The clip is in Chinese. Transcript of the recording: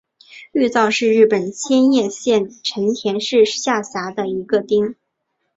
玉造是日本千叶县成田市下辖的一个町。